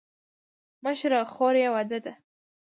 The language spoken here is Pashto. مشره خور یې واده ده.